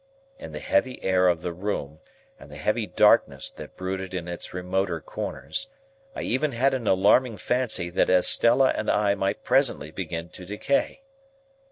In the heavy air of the room, and the heavy darkness that brooded in its remoter corners, I even had an alarming fancy that Estella and I might presently begin to decay.